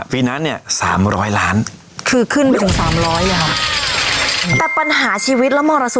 ปีกว่า